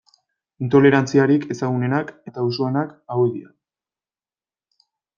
Intolerantziarik ezagunenak eta usuenak hauek dira.